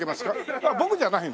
あっ僕じゃないの？